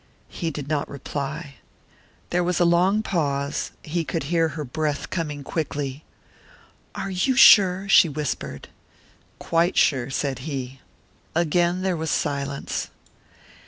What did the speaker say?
He did not reply. There was a long pause. He could hear her breath coming quickly. "Are you sure?" she whispered. "Quite sure," said he. Again there was silence.